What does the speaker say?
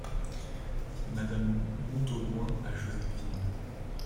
Madame Montaudoin , à Joséphine.